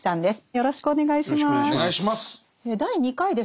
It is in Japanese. よろしくお願いします。